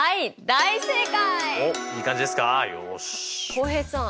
浩平さん